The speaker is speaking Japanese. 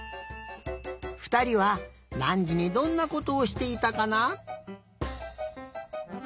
ふたりはなんじにどんなことをしていたかな？